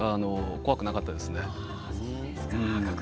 怖くなかったですか。